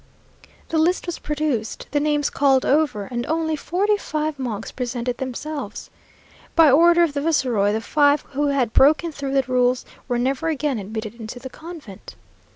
The list was produced the names called over, and only forty five monks presented themselves. By order of the viceroy, the five who had broken through the rules, were never again admitted into the convent.